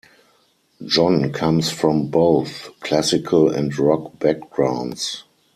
John comes from both classical and rock backgrounds.